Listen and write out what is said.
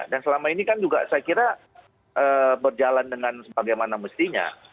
dan selama ini kan juga saya kira berjalan dengan sebagaimana mestinya